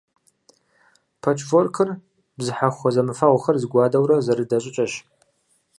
Пэчворкыр бзыхьэхуэ зэмыфэгъухэр зэгуадэурэ зэрыдэ щӏыкӏэщ.